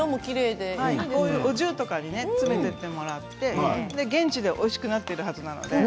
お重とかに詰めていただいて現地でおいしくなっているはずなので。